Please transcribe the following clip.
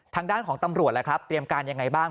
ทางด้านของตำรวจล่ะครับเตรียมการยังไงบ้าง